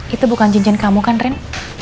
itu bukan cincin kamu kan rin